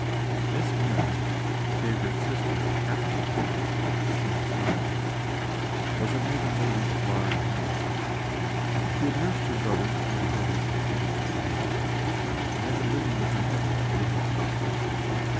Miss Marryat the favourite sister of Captain Marryat, the famous novelist was a maiden lady of large means. She had nursed her brother through the illness that ended in his death, and had been living with her mother at Wimbledon Park.